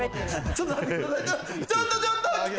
ちょっとちょっと来て！